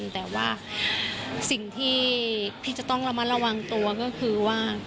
แต่ว่าสิ่งที่พี่จะต้องระมัดระวังตัวก็คือว่า